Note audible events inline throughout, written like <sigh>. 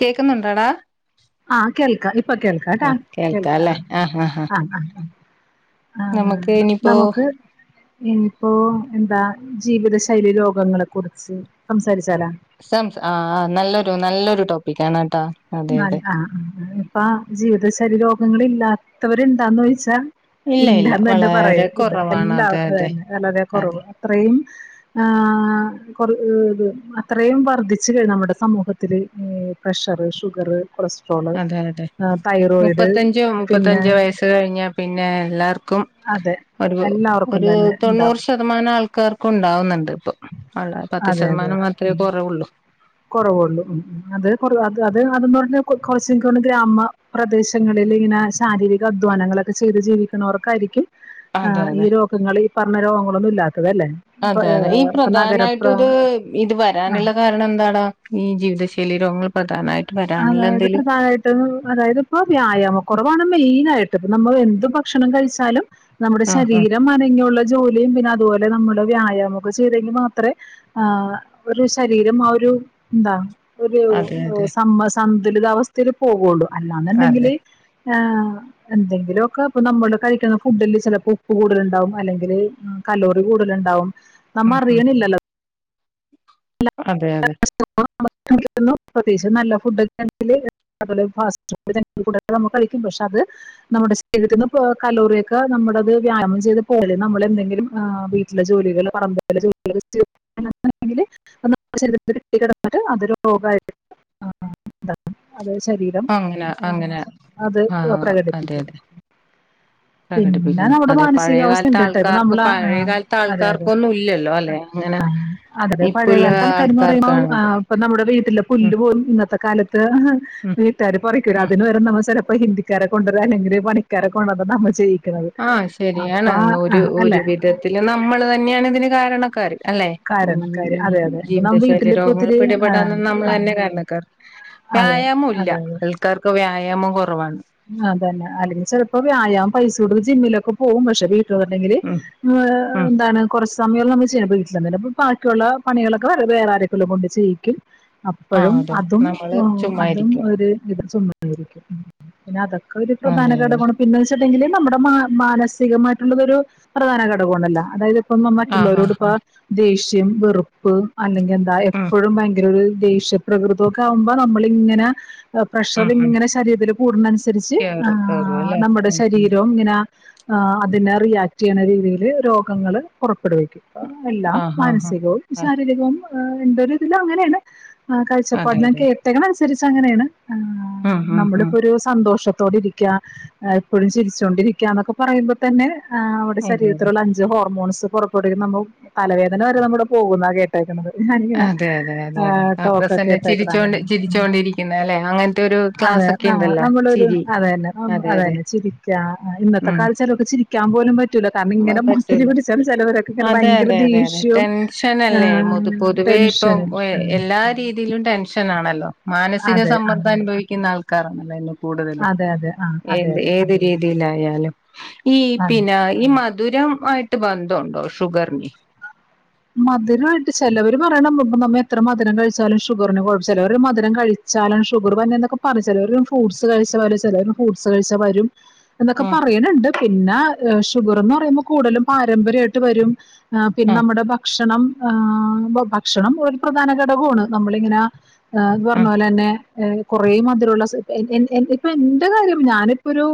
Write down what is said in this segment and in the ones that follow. കേക്കുന്നുണ്ടാടാ ആഹ് കേൾക്ക ഇപ് ഇപ്പൊ കേൾക്കാട്ടാ കേൾക്ക ആ ആഹ് ആഹ ആ നമുക്ക് ഇനിയിപ്പോ നമുക്ക്നിപ്പോഎന്താ ജീവിത ശൈലി രോഗങ്ങളെ കുറിച്ച് സം സംസ ആ ആ നല്ലൊരു നല്ലൊരു ടോക്ക് പ്പിക്കാനാട്ടാ ആ ആഹ ആ അപ്പ ജീവിതശലീ രോഗങ്ങള് ഇല്ലാത്തവര്ണ്ടാന്ന് ചോദിച്ചാൽ ഇല്ല ഇല്ല ഇല്ലാന്നന്നെ വളരെ പറയാ ഇല്ല കുറവാണ് എല്ലാ അതെ അതെ അന്നെ വളരെ അതെ കുറവ് അത്രയും ഉം. അത്രയും വർധിച്ചു കഴിഞ്ഞു നമ്മുടെ സമൂഹത്തില് പ്രഷർ ശുഗ <unintelligible> അതെ അതെ തൈറോയിഡ് മുപ്പത്തഞ്ചോ പിന്നെ മുപ്പത്തഞ്ചോ വയസ്സ് കഴിഞ്ഞ പിന്നെ എല്ലാർക്കും അതെ ഒരു എല്ലാവർക്കും ഒരു തന്നെ ഉണ്ടാവും തൊണ്ണൂറ് ശതമാനം ആൾക്കാർക്കും ഉണ്ടാവുന്നുണ്ട് ഇപ്പൊ ഉള്ള പത്ത് അതെ അതെ ശതമാനം അതെ മാത്രമേ ഉം കുറവുള്ളു കുറവുള്ളൂ ഉ അത് അത് അതെന്ന് പറഞ്ഞ കൊറച്ച് ഇൻകോന്ന്ണ് ഗ്രാമപ്രദേശങ്ങളിൽ ഇങ്ങനെ ശാരീരിക അധ്വാനങ്ങളൊക്കെ ചെയ്ത് ജീവിക്കണവർക്കായിരിക്കും ആ് അതെ ഈ അതെ രോഗങ്ങള് പറഞ്ഞ രോഗങ്ങളൊന്നും ഇല്ലാ അതെ അതെ ഈ പ്രധാനമായിട്ടുംത് ഇത് ആഹ് വരാനുള്ള കാരണം എന്താടാ ഈ ജീവിതശൈലി രോഗങ്ങൾ പ്രധാനമായിട്ട് വരാനുള്ള അതായത് എന്തേലും പ്രധാനമായിട്ടും അതായത് ഇപ്പോ വ്യായാമ കുറവാണ് മെയിൻ ആയിട്ട് പ്പ നമ്മൾ എന്ത് ഭക്ഷണം കഴിച്ചാലും നമ്മുടെ ആഹ് ആ ശരീരം അനങ്ങിയുള്ള ജോലിയും പിന്നെ അതുപോലെ നമ്മള് വ്യായാമൊക്കെ ചെയ്തെങ്കിൽ മാത്രേ ആ ഒരു ശരീരം ആ ഒരു എന്താ ഒരു അതെ അതെ റോസ് സന്തുലിതാവസ്ഥയിൽ പോവുള്ളൂ അതെ അല്ലന്നുണ്ടെങ്കില് ആ എന്തെങ്കിലുമൊക്കെ ഇപ്പ നമ്മള് കഴിക്കുന്ന ഫുഡ്ഡില് ചിലപ്പോ ഉപ്പ് കൂടുതലിണ്ടാവും അല്ലെങ്കില് കലോറി കൂടുതൽ ഇണ്ടാവും നമ്മ ഉം ഉം അറിയണില്ലല്ലോ അതെ അതെ <unintelligible> നല്ല ഫുഡ് ഒക്കെയാണെങ്കില് അതേപോലെ ഫാസ്റ്റ് ഫുഡ് ജങ്ക് ഫുഡ് ഒക്കെ നമ്മള് കഴിക്കും. പക്ഷെ അത് നമ്മുടെ ശരീരത്ത് നിന്ന് കലോറിയൊക്കെ നമ്മുടേത് വ്യായാമം ചെയ്ത് <unintelligible> നമ്മള് എന്തെങ്കിലും വീട്ടിലെ ജോലികള് പറമ്പിലെ ജോലികള് ആണെങ്കില് <unintelligible> ശരീരത്തില് കെട്ടികെടന്നിട്ട് അതൊരു രോഗായിട്ട് ആ അങ്ങന അങ്ങന അത് ആഹ് അതെ പ്രകടിപ്പിക്കും അതെ പിന്നെ പ്രകടിപ്പിക്കുന്നു നമ്മുടെ അതെ മാനസികാവസ്ഥ പഴയകാലത്തെ ഉണ്ട് കേട്ടോ ഇപ്പൊ ആൾക്കാർക്കും നമ്മള് ആ, പഴയകാലത്ത് അതെ അതെ ആൾക്കാർക്കൊന്നുല്ലല്ലോ അല്ലെ അങ്ങനെ ഇപ്പല്ല ആക്കാര്ന്ന് പറയുമ്പോ ആ ഇപ്പൊ നമ്മുടെ വീട്ടില ഉം പുല്ല് പോലും ഇന്നത്തെ കാല അത് ഉം വീട്ടുകാര് പൊറേക്ക് വരും. ഉം അതിന് വരെ നമ്മള് <unintelligible> ഇപ്പ ഹിന്ദാര കൊണ്ടരാ അല്ലെങ്ക പണിക്കാര കൊണ്ടന്ന് നമ്മ ചെയ് ആഹ ശരിയാണ് ഒരു ഒരു അല്ലെ വിധത്തില് നമ്മള് തന്നെയാണ് ഇതിന് കാരണക്കാരർ അല്ലെ ഉം കാരണക്കാര് അതെ അതെ ഇപ്പൊ നമ്മ ജീവിതശൈലീ വീട്ടിലിപ്പോ രോഗങ്ങൾ ഒത്തിരി ആ, പിടിപെടാന് ആ, നമ്മളെന്നെ കാരണക്കാർ അതെ വ്യായാമൊ ഇല്ല അതെ ആൾക്കാർക്ക് വ്യായാമം കൊർ റവാണ് അതന്നെ അല്ലെങ്കിൽ ചെലപ്പോ വ്യായാം പൈസ കൊടുത്ത് ജിമ്മിലൊക്കെ പോകും പക്ഷെ വീ ങ്കിൽ ഉം ആ ഉം എന്താണ് കുറച്ച് സമയം നമ്മ ചെയ്യണ വീട്ടിലെന്തായാലും ബാക്കിയുള്ള പണികളക്കെ വേറെ ആരൊക്കെലും കൊണ്ട് ചെയ്ക്കും ആഹ് അപ്പഴും അതെ അതും നമ്മള് ഉം ചുമ്മാ അതും ഇരിക്കും ഒരു ഇതുമ ആരിക്ക പിനത ഒരു പ്രധാന അതെ അതെ ഘടകൊവാണ് പിന്നെ ങ്കില് നമ്മുടെ മാ മാനസികമായിട്ടുള്ളതൊരു പ്രധാന ഘടകം അണല്ലോ അതായത് അപ്പമ്മ ആഹ് ആഹ് മറ്റുള്ളോരടൊപ്പ ആഹ് ദേഷ്യം <unintelligible> വെറും അല്ലെങ്കിൽ എന്താ ഉം എപ്പോഴും ഭയങ്കരം ഒരു ദേഷ്യപ്രകൃതൊക്കെ ആവുമ്പോ നമ്മളിങ്ങന ഉം പ്രഷർ ഉം ഇങ്ങനെ ശരീരത്തില് കൂടുന്നതനുസരിച്ച് കേറും കേറും അല്ലെ നമ്മുടെ ഉം ഉം ശരീരവും ഇങ്ങനെ അതിനെ റിയാക്റ്റ് ചെയ്യണ രീതിൽ രോഗങ്ങള് കുറ ടുവിക്കും എല്ലാം ആഹ് ആഹ് മാനസികവും ആഹ് ശാരീരികവും ആ എന്റൊരു ഇതില് അങ്ങനെയാണ് ആ കാഴചപ്പാടിനെ കേട്ടക്കണ് തിരിച്ച് അങ്ങനെയാണ് മ്ഹ് മ്ഹ് മ്ഹ് നമ്മളിപ്പോ ഒരു സന്തോഷത്തോടെ ഇരിക്ക എപ്പോഴും ചിരിച്ചോണ്ടിരിക്ക എന്നൊക്കെ പറയുമ്പോ തന്നെ ആ മ്മടെ അതെ അതെ ശരീരത്തിലുള്ള അഞ്ച് ഹോർമോൺസ് ഇത് പൊറപ്പെടുവിക്കുമ്പം തലവേദന വരെ നമ്മടെ പോവുന്ന കേട്ടേക്കുന്നത്. അതെ അതെ അതെ അതെ ആ പ്രസന്ന കേട്ടേക്കണ ചിരിച്ചോണ്ട് അങ്ങനെ ചിരിച്ചോണ്ടിരിക്കുന്ന അല്ലെ അങ്ങനത്തെ ഒരു അതെ ക്ലാസക് ആ നമ്മളൊരു അതെന്നെ അതെ അതെന്നെ ചിരിക്ക ഇന്നത്തെ ഉം കാലത്തു <unintelligible> ക്കാൻ പോലും പ പറ്റൂല. ഇങ്ങനെ അതെ ഭയങ്കര അതെ അതെ അതെ ദേഷ്യവും ടെൻഷനല്ലേ പൊതുവേ ഇപ്പൊ ടെൻഷനും എല്ലാ രീതിയിലും ടെൻഷനാണല്ലോ. മാനസിക അതെ ആ സമ്മർദ്ദം അനുഭവിക്കുന്ന ആൾ കറങ്ങല്ലല്ലോ കൂടുതല് അതെ അതെ ആ അതെ ഏത് അതെ ഏത് അതെ രീതിയിലായാലും ഈ അതെ പിന്നെ മധുരം ആയിട്ട് ബന്ധണ്ടോ ഷുഗറിന്? മധുരമായിട്ട് ചിലവർ പറയണ നമ്മ എത്ര മധുരം കഴിച്ചാലും ഷുഗറിന് കുഴപ്പും ചിലവർ മധുരം കഴിച്ചാലും ഷുഗർ വരുമെന്നൊക്കെ പറു ചിലവര ഫ്രൂട്ട്സ് കഴിച്ചും ചിലർ ഫ്രൂട്ട്സ് കഴിച്ചാ വരും എന്നൊക്കെ ആഹ് പറയണണ്ട്. പിന്നെ ഷുഗർന്ന് പറയുമ്പോൾ കൂടുതലും പാരമ്പര്യമായിട്ട് വരും. ആ പിന്നെ ആഹ് നമ്മുടെ ഭക്ഷണം <unintelligible> ഭക്ഷണം ഒരു പ്രധാന ഘടകമാണ്. നമ്മളിങ്ങനെത് പറഞ്ഞ ആഹ് പോലെ തന്നെ കുറേ മധുരമുള്ള <inaudible> ഇപ്പൊ എന്റെ കാര്യം ഞാനിപ്പൊ ഒരു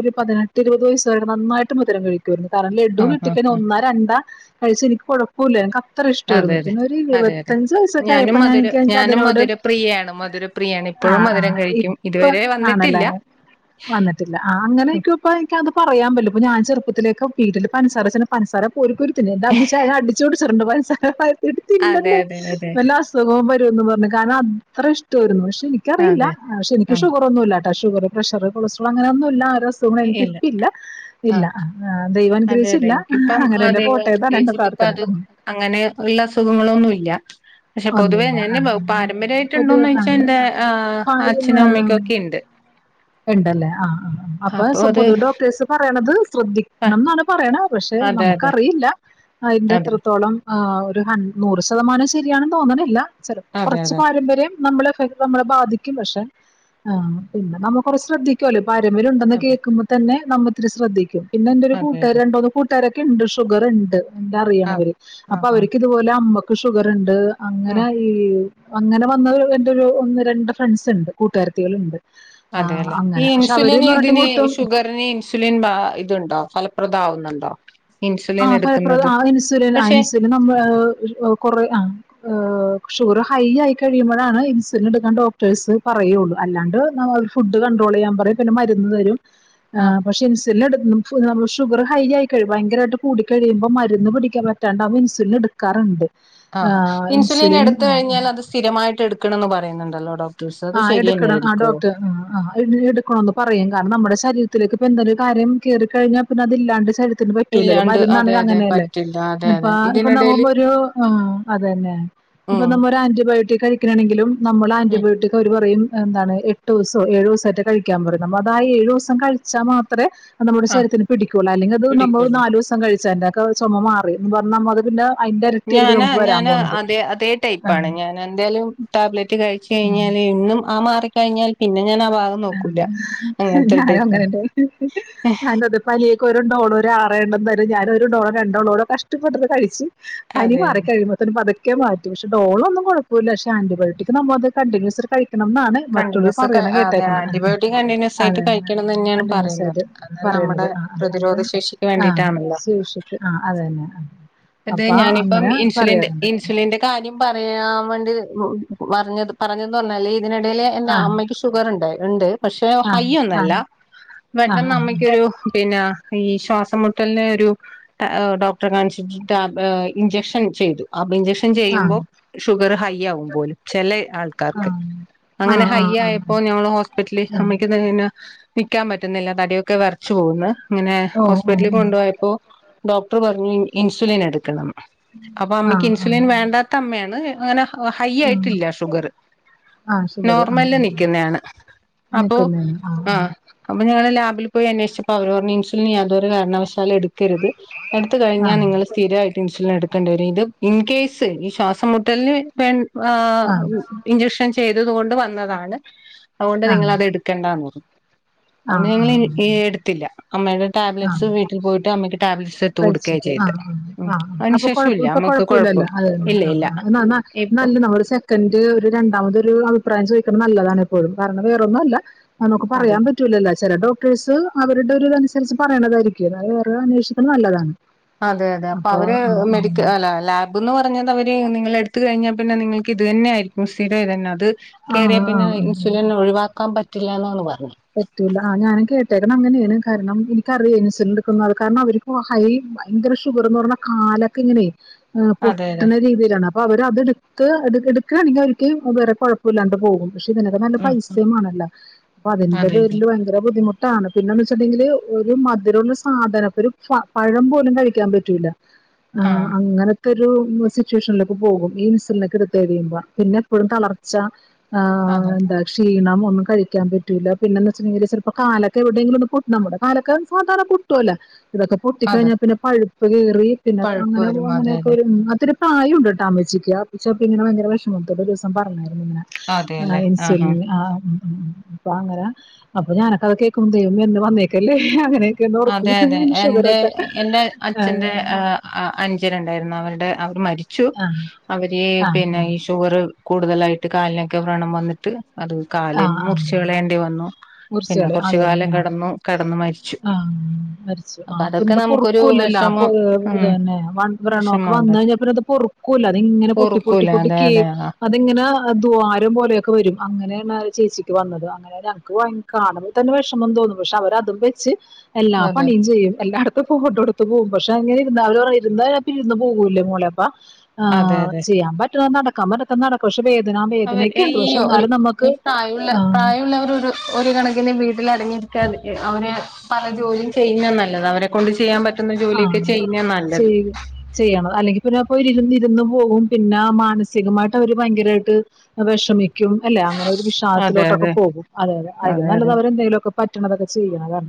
ഒരു പതിനെട്ട് ഇരുപത് വയസ്സായിട്ട നന്നായിട്ട് മധുരം കഴിക്കും. കാരണ ലഡു ആഹ് ആഹ് കിട്ടിക്ക ആഹ് ഒന്നാ രണ്ടാ കഴിച്ചെനിക്ക് കൊഴപ്പ പോലനക്ക <unintelligible> അത്ര അതെ ഇഷ്ടമായിരുന്നു. അതെ പിന്നെ ഒരു അതെ അതെ ഇരുപത്തഞ്ച വയസൊക്കെ ഞാനും ആയപ്പോ ഞാൻ മധുര നിക്ക് എനിക്ക് ഞാനും അതിനോട് മധുരപ്രിയയാണ് മധുരപ്രിയയാണ് ആ ഇപ്പോഴും ആ മധുരം കഴിക്കും ഇപ്പ ഇതുവരെ വന്നിട്ടില്ല ആണല്ലേ വന്നിട്ടില്ല ആ അങ്ങനെ ആയിക്കുപ്പഅത് പറയാൻ പറ്റില്ല ഇ ഞൻ ചെറുപ്പത്തിലേക്ക് വീട്ടിലിപ്പൻസാരചെലു പൻസാര കോരി കോരി <unintelligible> ചപ സ <unintelligible> എടി അതെ തിന്നല്ല് അതെ അതെ വല്ലാ അസുഖവും വരും. <unintelligible> പറഞ്ഞു. കാരണം അത്ര ഇഷ്ടാരുന്നു. <unintelligible> എനിക്കറില്ല അതെ പക്ഷെനിക്ക് ആഹ് ഷുഗറ ഒന്നുമല്ല. ഷുഗർ പ്രഷർ കൊളസ്ട്രോൾ അങ്ങനൊന്നുമില്ല <unintelligible> ഇല്ല എനിക്കിപ്പയില്ല. ഇല്ല ആഹ് ദൈവം അതെ അതെ അനുഗ്രഹിച്ചില്ല. എനിക്കിപ്പം അങ്ങനന്നെ ദൈവം പോട്ടെന്നാണ് എന്റെ അനുഗ്രഹിച്ചിട്ട് ഇപ്പ പ്രാർത്ഥന. അത് അങ്ങനെ ഉള്ള അസുഖങ്ങളോന്നും ഇല്ല ഇല്ല പക്ഷെ പൊതുവേ ഒന്നുമില്ല എൻ ആ ആ അപ്പത് പാരമ്പര്യമായിട്ടുണ്ടോന്ന് ആ ചോയിച്ച എന്താ ആ ഏ, അച്ഛനും അമ്മയ്ക്കൊക്കെ ഇണ്ട് ഉണ്ടല്ലേ ആഹ് അപ്പൊ പൊതുവെ ഡോക്ടർസ് പറയണത് ശ്രദ്ധിക്കണം എന്നാണ് പറയണ പക്ഷെ അതെ അതെ നമുക്കറിയില്ല അതിന്റെ അതെ എത്രത്തോളം ആ ഒരു നൂറ് ശതമാനം ശെരിയാ രിയാണെന്ന് തോന്നണില്ല ചെലപ്പ അതെ കുറച്ച് അതെ പാരമ്പര്യം നമ്മള് നമ്മളെ ബാധിക്കും പക്ഷെ പിന്നെ നമ്മ കുറെ ശ്രദ്ധിക്കല്ലോ വരമ്പില ഉണ്ടെന്ന് അതെ കേൾക്കുമ്പോ തന്നെ നമ്മ ഇത്തിരി ശ്രദ്ധിക്കും പിന്നെ എന്റെ ഒരു അതെ കൂട്ടർ അതെ രണ്ടോന്ന് കൂട്ടാര ക്ക്ണ്ട് ഷുഗർ ഉണ്ട് എന്തറിയണ് ആഹ് അവര് ആഹ് അപ്പൊ ആഹ് അവർക്ക് ഇതുപോലെ അമ്മ <unintelligible> <unintelligible> അങ്ങന ഉം ഈ അങ്ങനെ വന്നൊരു എന്റെ ഒരു ഒന്ന് രണ്ട് ഫ്രണ്ട്സ് ണ്ട് കൂട്ടുകാരത്തികളിണ്ട് അതെ അല്ലെ ഈ ഇൻസുലിന് പറഞ്ഞിട്ട് ഇതിന് ഒട്ടും ഷുഗറിന് ഇൻസുലിൻ ഇതുണ്ടോ പ്രതാവുന്നുണ്ടോ ആഹ് ഫലപ്രദം ആ ഇൻസുലിനാ ആ ഇൻസുലിൻ നമ്മ ആ കൊറെ ആ ഏഹ് ഷുഗർ ഹൈ ആയി കഴിയുമ്പോഴാണ് ഇൻസുലിൻ എടുക്കാൻ ഡോക്ടേഴ്സ് പറയുള്ളൂ അല്ലാണ്ട് നമ്മ ഫുഡ് കൺണ്ട്രോൾ യ്യാൻ പറയും പിന്നെ മരുന്ന് തരും ആ ആഹ് പക്ഷെ ഇൻസുലിൻ എടു <unintelligible> ഷുഗർ ഹൈ ആയിക്കഴിയും ഭയങ്കരായിട്ടും കൂടി കഴിയുമ്പോൾ മരുന്ന് പിടിക്കാൻ പറ്റാണ്ടാവുമ്പ ഇൻസുലിൻ എടുക്കാറുണ്ട് ആ ഇൻസുലിൻ എടുത്ത് കഴിഞ്ഞാൽ അത് സ്ഥിരമായിട്ട് എടുക്ക ക്കണന്ന് പറയുന്നുണ്ടല്ലോടോ ആഹ് എടുക്കണം ആ ഡോക്ടർ ആ ആ എടുക്കണന്ന് പറയാ കാരണംന മ്മടെ ശരീരത്തിലേക്കിപ്പോ എന്തേലൊരു കാര്യം കേറി കഴിഞ്ഞാ പിന്നെ അതില്ലാണ്ട് ശരീര <inaudible> ത്തിന് പറ്റൂലല്ലാ ഇല്ലാണ്ട് അതെ മരുന്നാണേലും അതെ അങ്ങനെല്ലേ പറ്റില്ല അതെ അതെ ഇപ്പ നമ്മ ഇതിനിടയില് മൊരു ആ അതന്നെ ഇപ്പ ഉം നമ്മ ഒരാന്റിബയോട്ടി ട്ട് കഴിക്കണെണെങ്കിലും നമ്മൾ ഉം ആന്റിബയോട്ടിക് റയും എന്താണ് എട്ടു ദിവസോ ഏഴു ദിവസോ റ്റെ കഴിക്കാൻ പറയും നമ്മ അതാ ആ ഏഴു ദിവസം കഴിച്ചാ മാത്രേ <unintelligible> നമ്മുടെ ആഹ് ശരീരത്തിന് പിടിക്കൂലാ അല്ലെങ്കി അത് നമ്മ പിടിക്കുള്ളൂ നാലൂ സം കഴിച്ചാലാ <unintelligible> ചുമ മാറി ന്ന് പറഞ്ഞാ <unintelligible> ഇരട്ടിയായിരിക്കും ഞാനാ നമുക്ക് വരാൻ ഞാന് പോണത് അതെ അതേ ടൈപ്പാണ് ആഹ് ഞാന് എന്തേലും ടാബ്ലറ്റ് കഴിച്ച കഴിഞ്ഞാല് എന്നും ആ മാറിക്കഴിഞ്ഞാൽ പിന്നെ ഞാൻ ആ ഭാഗം നോക്കൂല ആ അങ്ങനത്തെ ഒരു ഞാനും ടൈപ്പാ അങ്ങനെന്നെ ഹെ ഹെ <unintelligible> പണിയൊക്കെ വരു <inaudible> ഡോളോ രു ആറേയെണ്ണം തരാം ഞാനൊരുഡോളോ രണ്ടോഡോളോ കഷ്ടപ്പെട്ടത് കഴിച്ച് പനി അതെ മാറ അതെ കഴിയുമ്പോത്തന് പതുക്കെ <unintelligible> പക്ഷെ ഡോളൊന്നും കുഴപ്പില്ല പക്ഷെ ആൻ്റിബയോട്ടിക് നമ്മ അത് കോണ്ടിന്യസ് കഴി ക്കണം ന്നാണ് മറ്റുള്ളോര് കണ്ടിന്യൂസ് പറയണേ കേ അതെ ആന്റിബയോട്ടിക് കണ്ടിന്യൂസ് ആയിട്ട് കഴിക്കണംതന്നെയാണ് കണ്ടിന്യൂസ് പറയുന്നത് ആയിട്ട് അത് നമ്മടെ പറയണത് ആ ആ അത് പ്രതിരോധ ശേഷിക്ക് ആ വേണ്ടിട്ടാണല്ലോ സൂക്ഷിക്ക് <inaudible> അത അപ്പൊ ഞാനിപ്പം അങ്ങനെ ഇൻസുലിൻന്റെ പറയാറുണ്ട് ഇൻസുലിന്റെ കാര്യം പറയാൻ വേണ്ടി ഉ പറഞ്ഞത് പറഞ്ഞന്ന് പറഞ്ഞാല് ഇതിനിടയിൽ എന്റെ ആ അമ്മയ്ക്ക് ഷുഗർ ഉണ്ടായി ഇണ്ട് പക്ഷെ ആ ഹൈ ആ ഒന്നുല്ല ആ പെട്ടെന്നമ്മക്കൊരു പിന്ന ഈ ശ്വാസം മുട്ടൽനൊരു ഡോക്ടറെ കാ ട്ടാ ഇഞ്ചെക്ഷൻ ചെയ്തു അപ്പ ഇൻചെക്ഷൻ ആ ആ ചെയ്യുമ്പോ ഷുഗർ ഹൈ <unintelligible> പോലും ചില ആൾക്കാർക്ക് ആ ആ അങ്ങനെ ആ ഹൈ ആ ആയപ്പോ ഞമ്മള് ഹോസ്പിറ്റല് ആ അമ്മക്ക് അങ്ങനെ നിൽക്കാൻ പറ്റുന്നില്ല തടിയൊക്കെ വേറച് പോകുന്നു. ഇങ്ങനെ ഓ ഓ ഹോസ്പിറ്റലിൽ ഓ കൊണ്ടു പോയപ്പോ ഡോക്ടർ പറഞ്ഞു ഇൻസുലിൻ എടുക്കണം. അപ്പൊ ആ അമ്മയ്ക്ക് ആ ഇൻസുലിൻ വേണ്ടാത്ത അമ്മയാണ് <inaudible> ഹൈ ആ ആയിട്ടില്ല ഷുഗർ ആ ഷുഗർ ആ നോർമലിൽ ആ നിൽക്കുന്നാണ് അപ്പോ ആ അപ്പ ഞങ്ങ ഹോസ്പിറ്റല് പോയി അന്വേഷിച്ചപ്പോ അവർ പറഞ്ഞു ഇൻസുലിൻ യാ ഒരു കാരണവശാലും എടുക്കരുത് എടുത്ത ആ കഴിഞ്ഞ നിങ്ങള് ഇൻസുലൻ എടുക്കേണ്ടി വരും ഇത് ഇൻ കേസ് ഈ ശ്വാസം മുട്ടലന് വേ ആ ഇഞ്ജെക്ഷൻ ചെയ്തത് കൊണ്ട് വന്നതാണ്. അതുകൊണ്ട് നിങ്ങള് അത് എടുക്കേണ്ടാന്ന് പറഞ്ഞു. ആ ആ <unintelligible> ഞങ്ങള് ആ ഏ എടുത്തില്ല അമ്മയുടെ ആ ടാബ്‌ലറ്റ്സ് വീട്ടിൽ പോയിട്ട് അമ്മക്ക് ടാബ്‌ലറ്റ്സ് <unintelligible> കഴിച്ചിട്ട് ആ ചെയ്ത് ഉം ആ ആ അതിന് അപ്പൊ ശേഷം കുഴപ്പ ഇല്ല ഇപ്പൊ കൊഴപ്പല്ലല്ലോ അതെ ആ എന്ന ഇല്ല ഇല്ല എന്ന എന്ന ഇപ്പൊ നല്ല നമ്മ ഒരു സെക്കൻഡ് ഒരു രണ്ടാമതൊരു അഭിപ്രായം ചോദി <unintelligible> നല്ലതാണ് എപ്പോഴും കാരണം വേറൊന്നും അല്ല ആ നമുക്ക് അതെ പറയാൻ പറ്റൂലല്ലോ ചെല ഡോ റിസു അവരുടെ ഒരു ഇതനുസരിച്ച് പറയണതായിരിക്കും അ വേ അന്വേഷിക് അ നല്ലതാണ് അതെ അതെ അപ്പൊ അവര് മെഡിക്ക അല്ല ലാബന്ന് പറഞ്ഞത് അവ നിങ്ങളെടുത്ത് കഴിഞ്ഞാ പിന്നെ നിങ്ങൾക്ക് ഇത് തന്നെയയിരിക്കും സ്ഥിരം ഇതെന്നെ അത് ആ കയറിയ ആ ആ പിന്നെ ഇൻസുലിൻ ഒഴിവാക്കാൻ പറ്റ <unintelligible> പറ്റൂല്ല ആ ഞാനും കേട്ട ഇട്ടേക്കുന്നത് അങ്ങനെയാണ് കാരണം എനിക്കറിയ ഇൻസുലിൻ എടുക്കുന്ന അ കാരണം അവർ ഹൈ ഭയങ്കര ഷുഗർ എന്ന് പറഞ്ഞൽ കാലൊക്കെ ഇങ്ങനെ ആ അതെ അതെ പൊട്ടണ രീതിയി അപ്പൊ അവരത് എടുത്ത് എടുക്കുകയാണെങ്കിൽ അവർക്ക് വേറെ കുഴപ്പ ഇല്ലാണ്ട് പോകും പക്ഷെ ഇതിനൊക്കെ നല്ല ഉം ഉം പൈസയുംമാണല്ലോ അതിന്റെ അതെ അതെ പേരില് ഭയങ്കര ബുദ്ധിമുട്ടാണ് പിന്നെന്നാ വെച്ചിണ്ടെങ്കില് ഒരു മധുരമുള്ള സാധനം ഒരു പഴം പോലും കഴിക്കാൻ പറ്റൂല്ല ആ ആഹ് അങ്ങനെ ഇതോരു സിറ്റുവേഷനിലേക്ക് പോകും ഈ ഇൻസുലിനൊക്കെ ഇടുത്തു കഴിയുമ്പോ പിന്നെ എപ്പോഴും തളർച്ച ആ അതെ എന്താ ക്ഷീണം ഒന്നും കഴിക്കാൻ പറ്റ പിന്നെന്നചെലെങ്കിലു ചിലപ്പോ കാലൊക്കെ എവിടെയെങ്കിലൊന്ന് പൊട്ട് നമ്മുടെ കാലൊക്കെ സാധാരണ പൊട്ടല്ലോ ഇതൊക്കെ പൊട്ടി അതെ കഴിഞ്ഞാ പിന്നെ പഴു <unintelligible> <unintelligible> പഴുപ്പ് വരും അതെ അതെ ആയിട്ടുണ്ടട്ടോ അമ്മച്ചിക്ക് അമ്മച്ചിപ്പിന്നെ ഭയങ്കര വിഷമത്തോടെ ഒരുദിവസം പറഞ്ഞിരുന്നു അതെല്ലേ <unintelligible> ആഹ് ഇൻസുലിൻ ആ അപ്പ അങ്ങനെ അപ്പൊ ഞാനക്ക അത് കേക്കും ദൈവമേ എന്ന് വന്നേക്കല്ലേ അങ്ങനെ അതെ അതെ എന്റെ എന്റെ ആഹ് അഛന്റെ ആ ആ അനിയനുണ്ടാരുന്നു അവരുടെ അവർ മരിച്ചു ആഹ് അവര് ആഹ് പിന്നെ ഈ ഷുഗർ കൂടുതലായിട്ട് കാലിനൊക്കെ വ്രണം വന്നിട്ട് അതു ആ കാലേന്ന് ആ മുറിച്ച് കളയേണ്ടി വന്നു പിന്നെ മുറിച്ചുകളി കുറച്ചു കാലം അതന്നെ കിടന്നു കിടന്ന് മരിച്ചു ആ മരിച്ചു ആ അപ്പൊ അപ്പ അതൊക്കെ എന്താ നമുക്കൊരു പൊറക്കൂല്ലല്ലോ അപ്പ വിഷമം ഉം എന്നെ വ്രണമൊക്കെ വിഷമം വന്ന ഉണ്ടാക്കും കഴിഞ്ഞാ പിന്നെ പൊറക്കൂല്ല അത് ഇങ്ങനെ പൊട്ടി പൊട്ടി ഓർക്കൂല പൊട്ടി അതെ കീറി അതെ ആ അതിങ്ങനെ ദ്വാരം പോലെയൊക്കെ വരും അങ്ങനെയാണ് ആ ചേച്ചിക്ക് വന്നത് അങ്ങനെ കാണുമ്പോൾ തന്ന വിഷമം തോന്നും പക്ഷേ അവര് അതും വെച്ച് എല്ലാ അതെ പണിയും ചെയ്യും എല്ലായിട ഇരുന്നാൽ അവര് പറയും ഇരുന്നാൽ പിന്നെഇരുന്ന് പോകൂല്ലേ മോളെ ആ അതെ അതെ ചെയ്യാൻ പറ്റുന്നത് നട കമ്പെടുത്ത് നടക്കും പക്ഷേ വേ അവര് ഇയോ ഒരു ഈ പ്രായമുള്ള ആ പ്രായമുള്ളവരോരു ഒരു കണക്കിന് വീട്ടിൽ അടങ്ങിരിക്കാതെ അവര് പല ജോലിയും ചെയ്യുന്നതാ നല്ലത് അവരെ കൊണ്ട് ചെയ്യാൻ പ ആ ചെയ്യ് ചെയ്യണത് അല്ലെങ്കിൽ പിന്നെ അപ്പോ അവര് ഇരുന്നിരുന്ന് പോകും പിന്നെ മാനസികമായിട്ട് അവര് ഭയങ്കരമായിട്ട് വിഷമി ക്കും അല്ലെ അങ്ങനെ ഒരു അതെ വിഷാദത്തിലോട്ടൊക്കെ അതെ പോകും അതെ അതെ അതിലും നല്ലത് അവരെന്തെങ്കിലുമൊക്കെ പറ്റണതൊക്കെ ചെയ്യാ അതാ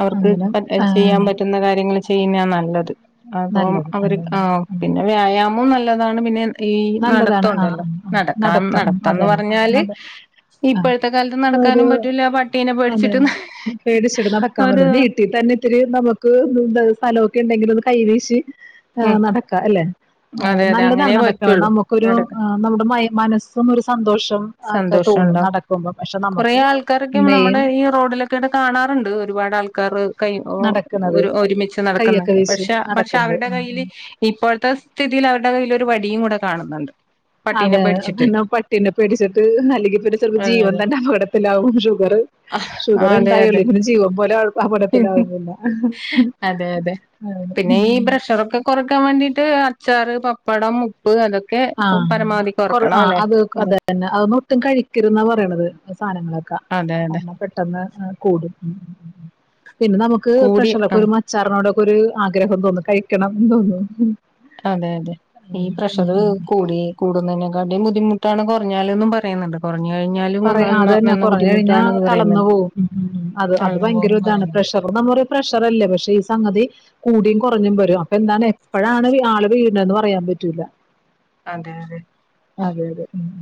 അവർക്ക് ഇപ്പം ചെയ്യാൻ പറ്റു എന്ന കാര്യങ്ങൾ ചെയ്യുന്ന നല്ലത് <inaudible> അപ്പം നല്ലത് അവര് ആ അതന്നെ ഉം പിന്നെ വ്യായാമം നല്ല ല്ലതാണ് പിന്നെ ഈ നല്ലതാണ് ആഹ് നടത്തോണ്ടല്ലോ ആഹ് ആഹ് നടക്കാൻ നടത്തം എന്ന് അതന്നെ പറഞ്ഞാല് നട ആഹ് ഇപ്പോഴത്തെ കാലത്ത് ഒരു നടക്കാനും പറ്റൂല പട്ടീനെ പേടിച്ചിട്ട് നമ്മുടെ ഒരു വീട്ടിൽതന്നെത്തിരി നമുക്ക് സ്ഥലമൊക്കെ ഉണ്ടെങ്കിൽഒന്ന് കൈവീശി ഉം നടക്കാം അല്ലെ അതെ അതെ അങ്ങനെ നല്ലതാണ് നട പറ്റുള്ളൂ നമുക്കൊരു നടക്ക ആ നമ്മുടെ മനസ്സൊന്നൊരു സന്തോഷം ഒക്കെ തോന്നും സന്തോഷണ്ടാവും നടക്കുമ്പം പക്ഷെ കുറേ നമുക്ക് ആൾക്കാരൊക്കെ മെയിൻ നമ്മുടെ ഈ റോഡിലൊക്കെ ആയിട്ട് കാണാറുണ്ട് ഒരുപാട് ആൾക്കാറ് ഒ നടക്കണത് ഒരുമിച്ച് കയ്യൊക്കെ നടക്കുന്നൊക്കെ വീശി പക്ഷെ പക്ഷെ നടക്കണത് അവരുടെ കയ്യിൽ ഇപ്പോഴത്തെ സ്ഥിതിയിൽ അവരുടെ കയ്യിൽ ഒരു വടി ടി കൂടെ കാണുന്നുണ്ട് പട്ടീനെ അതെ പേടിച്ചിട്ട് അതന്നെ പട്ടിനെ പേ പേടിച്ചിട്ട് അല്ലെങ്കിൽ പിന്നെ ചിലപ്പോ അതെ ജീവൻ തന്നെ അപകടത്തിലാവും ഷുഗർ അതെ അതെ ഷുഗർണ്ടായല്ലേ പിന്നെ ജീവൻ പോലും അതെ അപകടത്തിലാവുന്നാ അതെ അതെ ആ പിന്നെ ച്ചാറ് പപ്പടം മു ഉപ്പ് അതൊക്കെ ആ പരമാവധി കുറക്കണം അല്ലെ അ കഴിക്ക എന്നാ പറയണത് സാധങ്ങളൊക്കെ അതെ അതെ കഞ്ഞാ പെട്ടെന്ന് കൂടും പിന്നെ നമുക്ക് കൂടി പ്രഷറൊക്കെ ആ ഒരു മച്ചാറിനോട ഒരു ആഗ്രഹം തോന്നുന്നു കഴിക്കണം തോന്നുന്നു അതെ അതെ ഈ പ്രഷർ കൂടി കൂടു അതിനെക്കാട്ടും ബുദ്ധിമുട്ടാണ് കുഞ്ഞാലും പറയുന്നുണ്ട് കുറഞ്ഞു കഴിഞ്ഞാലും പറയാ ആ നന്ന അതന്നെ നന്ന കുറഞ്ഞ് കഴിഞ്ഞാ ബുദ്ധിമുട്ടാണ്ന്ന് തളർന്നു പറയുന്നുണ്ട് പോവും ഉം ഉം അത് അത് താഴ്ന്നു പോകുന്ന് ഭയങ്കരൊതാണ് പറയുന്നുണ്ട് പ്രഷർ നമ്മള് പറയും പ്രഷർല്ലേ പക്ഷെ ഈ സംഗതി കൂടിയും കുറഞ്ഞും വരും അപ്പൊന്താന്നേ അപ്പോഴാണ് ആള പിന്നന്ന് പറയാൻ പറ്റൂല അതെ അതെ അതെ അതെ ഉ